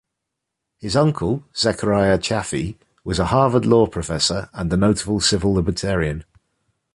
His uncle, Zechariah Chafee, was a Harvard law professor, and a notable civil libertarian.